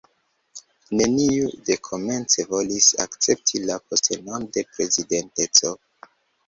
Neniu dekomence volis akcepti la postenon de prezidenteco.